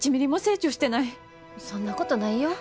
そんなことないよ。